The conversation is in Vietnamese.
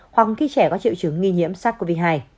hoặc khi trẻ có triệu chứng nghi nhiễm sars cov hai